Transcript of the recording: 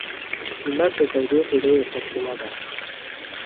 لمر د تودوخې لویه سرچینه ده.